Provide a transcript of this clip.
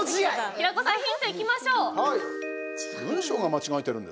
平子さん、ヒントいきましょう。